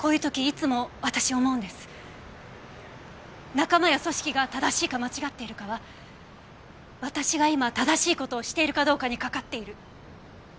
仲間や組織が正しいか間違っているかは私が今正しい事をしているかどうかにかかっている。